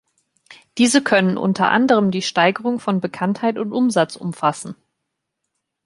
Diese können unter anderem die Steigerung von Bekanntheit und Umsatz umfassen.